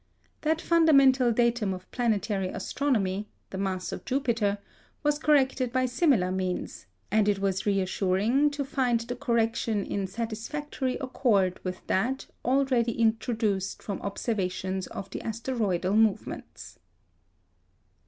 That fundamental datum of planetary astronomy the mass of Jupiter was corrected by similar means; and it was reassuring to find the correction in satisfactory accord with that already introduced from observations of the asteroidal movements.